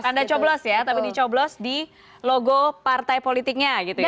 tanda coblos ya tapi dicoblos di logo partai politiknya gitu ya